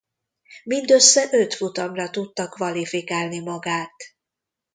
Mindössze öt futamra tudta kvalifikálni magát.